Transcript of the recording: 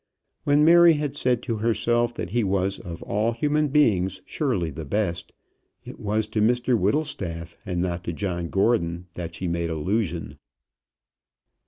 When Mary had said to herself that he was of all human beings surely the best, it was to Mr Whittlestaff and not to John Gordon that she made allusion.